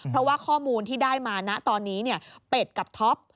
เพราะว่าข้อมูลที่ได้มานะตอนนี้เป็ดกับท็อป